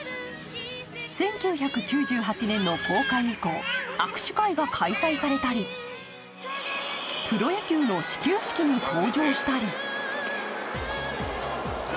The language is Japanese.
１９９８年の公開以降、握手会が開催されたりプロ野球の始球式に登場したり。